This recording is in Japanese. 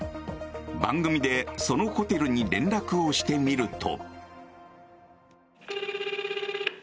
番組で、そのホテルに連絡をしてみると。